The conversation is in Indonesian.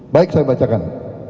baik saya bacakan